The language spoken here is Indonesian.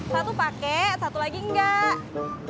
satu pakai satu lagi enggak